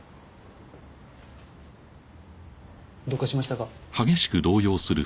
どうかしましたか？